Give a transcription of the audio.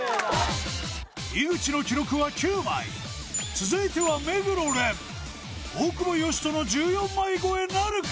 井口の記録は９枚続いては目黒蓮大久保嘉人の１４枚超えなるか